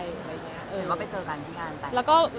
เห็นว่าไปเจอกันที่งานแต่ง